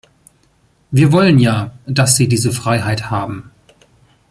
Wir wollen ja, dass Sie diese Freiheit haben.